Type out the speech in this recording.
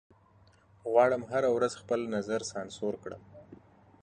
غواړم هره ورځ خپل نظر سانسور کړم